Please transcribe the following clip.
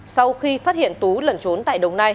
sau khi phát hiện tú lẩn trốn tại đồng nai